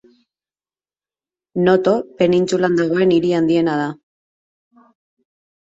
Noto penintsulan dagoen hiri handiena da.